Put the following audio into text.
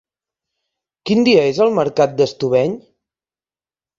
Quin dia és el mercat d'Estubeny?